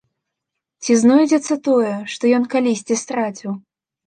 Ці знойдзецца тое, што ён калісьці страціў?